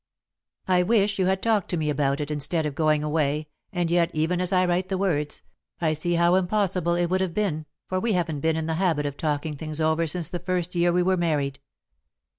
"I wish you had talked to me about it, instead of going away, and yet, even as I write the words, I see how impossible it would have been, for we haven't been in the habit of talking things over since the first year we were married.